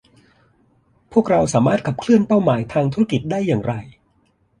พวกเราสามารถขับเคลื่อนเป้าหมายทางธุรกิจได้อย่างไร